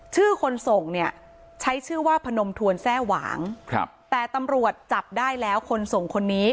คนส่งเนี่ยใช้ชื่อว่าพนมทวนแทร่หวางครับแต่ตำรวจจับได้แล้วคนส่งคนนี้